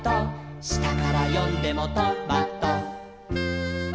「したからよんでもト・マ・ト」